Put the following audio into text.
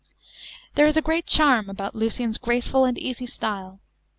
There is a great charm about Lucian's graceful and easy style.